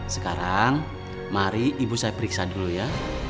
sekarang mari ibu saya periksa dulu ya